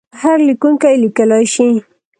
هر لیکونکی یې لیکلای شي.